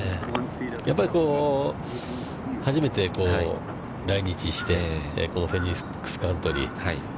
やっぱり初めて来日して、このフェニックスカントリー。